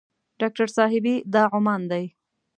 ډاکټر صاحبې دا عمان دی.